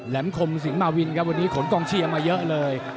มคมสิงหมาวินครับวันนี้ขนกองเชียร์มาเยอะเลย